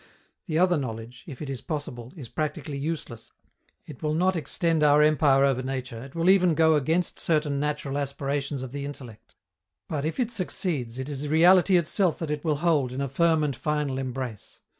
The other knowledge, if it is possible, is practically useless, it will not extend our empire over nature, it will even go against certain natural aspirations of the intellect; but, if it succeeds, it is reality itself that it will hold in a firm and final embrace.